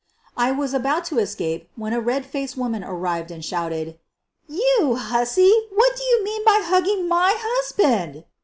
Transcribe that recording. I was about to escape when a redfaced woman arrived and shouted: "You hussy, what do you mean by hugging my husband!"